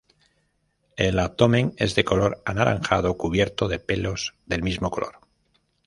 El abdomen es de color anaranjado cubierto de pelos del mismo color.